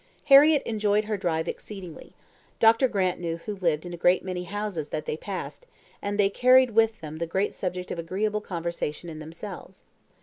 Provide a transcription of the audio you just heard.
Harriett enjoyed her drive exceedingly. Dr. Grant knew who lived in a great many houses that they passed, and they carried with them the great subject of agreeable conversation in themselves.